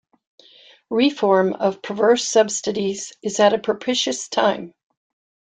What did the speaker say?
Reform of perverse subsidies is at a propitious time.